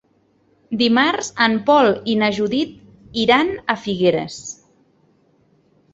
Dimarts en Pol i na Judit iran a Figueres.